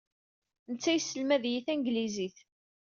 Netta yesselmad-iyi tanglizit.